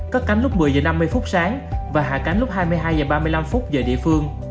cất cánh lúc một mươi h năm mươi phút sáng và hạ cánh lúc hai mươi hai h ba mươi năm giờ địa phương